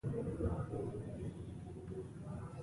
خو د دنیا وضعیت په هر لحاظ تغیر شوې